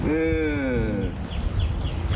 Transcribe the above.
เออ